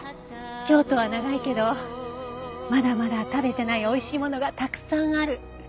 京都は長いけどまだまだ食べてない美味しいものがたくさんある。